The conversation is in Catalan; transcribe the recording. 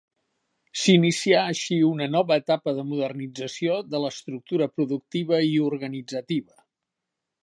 S'inicià així una nova etapa de modernització de l'estructura productiva i organitzativa.